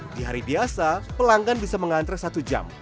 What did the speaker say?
di hari biasa pelanggan bisa mengantre satu jam